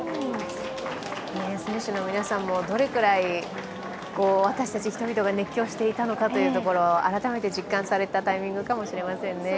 選手の皆さんもどれくらい私たち人々が熱狂していたかを改めて実感されたタイミングかもしれませんね。